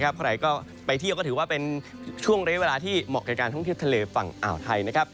ใครก็ไปเที่ยวก็ถือว่าเป็นช่วงเรียกเวลาที่เหมาะกับการท่องเที่ยวทะเลฝั่งอ่าวไทย